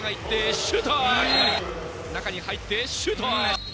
中に入ってシュート。